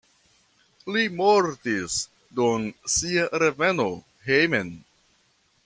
Li mortis dum sia reveno hejmen.